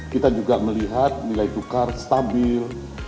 kita juga melihat nilai tukar stabil